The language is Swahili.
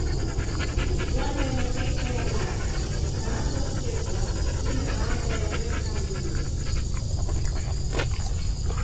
michuano ya mataifa ya ulaya ikaanza kuchezwa kila baada ya miaka minne